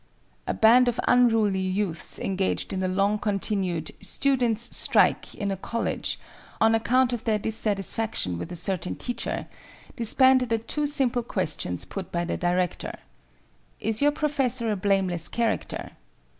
A band of unruly youths engaged in a long continued "students' strike" in a college, on account of their dissatisfaction with a certain teacher, disbanded at two simple questions put by the Director,—"Is your professor a blameless character?